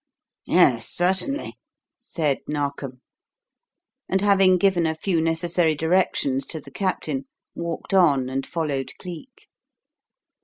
"Yes, certainly," said Narkom; and having given a few necessary directions to the Captain walked on and followed Cleek.